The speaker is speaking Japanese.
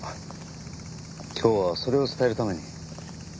今日はそれを伝えるために？